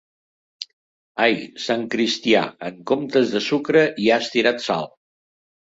Ai, sant cristià, en comptes de sucre hi has tirat sal!